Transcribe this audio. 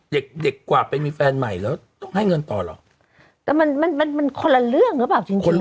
เด็กเด็กกว่าไปมีแฟนใหม่แล้วต้องให้เงินต่อเหรอแต่มันมันมันคนละเรื่องหรือเปล่าจริงคนรู้